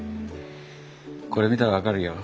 これ見たら分かるよ。